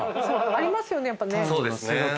そうですね。